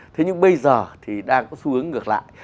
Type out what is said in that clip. thế nhưng bây giờ thì đang có xu hướng ngược lại